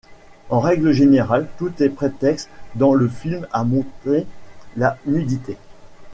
En règle générale, tout est prétexte dans le film à montrer la nudité.